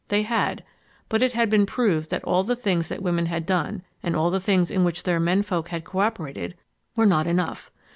They had. But it had been proved that all the things that women had done and all the things in which their menfolk had cooperated, were not enough.